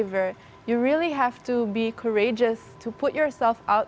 karena itu lebih membutuhkan dari kesehatan otak dan perangkat